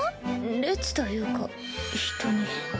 列というか人に。